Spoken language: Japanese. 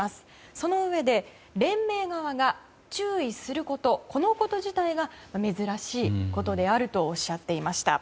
そのうえで連盟側が注意すること自体が珍しいことであるとおっしゃっていました。